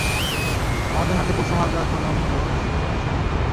আমাদের হাতে পরশু মাঝ রাত পর্যন্তই সময় আছে।